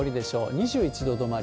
２１度止まり。